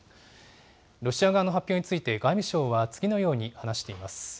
ロシア側の発表について、外務省は次のように話しています。